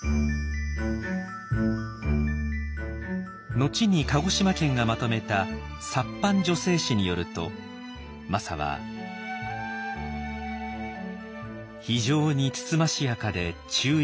後に鹿児島県がまとめた「藩女性史」によるとマサは「非常につつましやかで注意